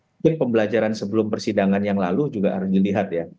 mungkin pembelajaran sebelum persidangan yang lalu juga harus dilihat ya